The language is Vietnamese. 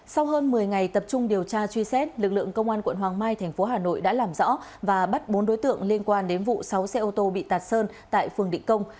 sau hơn một mươi ngày tập trung điều tra truy xét lực lượng công an quận hoàng mai thành phố hà nội đã làm rõ và bắt bốn đối tượng liên quan đến vụ sáu xe ô tô bị tạt sơn tại phường định công